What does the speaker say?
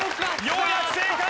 ようやく正解！